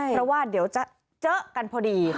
เพราะว่าเดี๋ยวจะเจอกันพอดี